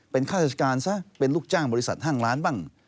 เป็นข้าราชการซะเป็นลูกจ้างบริษัทห้างร้านบ้าง